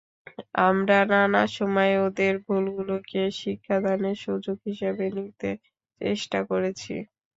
আমরা নানা সময়ে ওদের ভুলগুলোকে শিক্ষাদানের সুযোগ হিসেবে নিতে চেষ্টা করেছি।